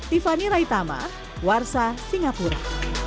tiffany raitama warsa singapura